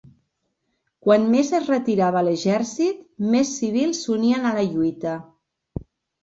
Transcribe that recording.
Quant més es retirava l'exèrcit, més civils s'unien a la lluita.